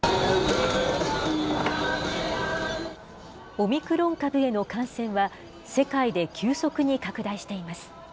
オミクロン株への感染は、世界で急速に拡大しています。